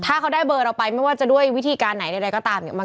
ถ้าเขาได้เบอร์เราไปไม่ว่าจะด้วยวิธีการไหนใดก็ตามเนี่ย